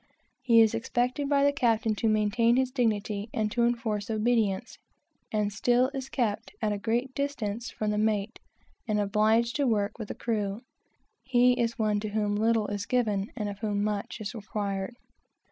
He is expected by the captain to maintain his dignity and to enforce obedience, and still is kept at a great distance from the mate, and obliged to work with the crew. He is one to whom little is given and of whom much is required.